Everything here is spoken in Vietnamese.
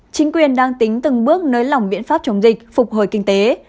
chính quyền đang tính từng bước nới lỏng biện pháp chống dịch phục hồi kinh tế